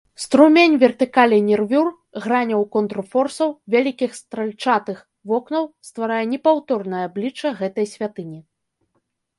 Струмень вертыкалей нервюр, граняў контрфорсаў, вялікіх стральчатых вокнаў стварае непаўторнае аблічча гэтай святыні.